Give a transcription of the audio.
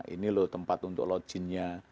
ini loh tempat untuk loginnya